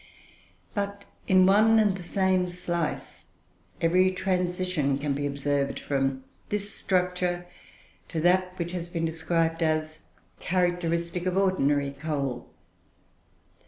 But, in one and the same slice, every transition can be observed from this structure to that which has been described as characteristic of ordinary coal.